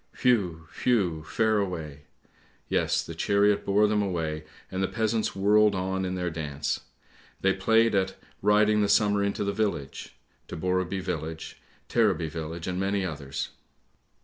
"Whew! whew! fare away! Yes, the chariot bore them away, and the peasants whirled on in their dance. They played at ' Riding the Summer into the village,' to Borreby village, Tareby village, and many others.